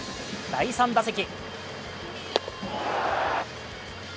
第３打席。